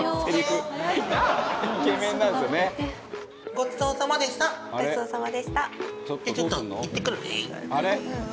ごちそうさまでしたあれ？